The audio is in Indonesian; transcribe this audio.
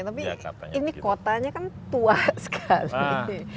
tapi ini kotanya kan tua sekali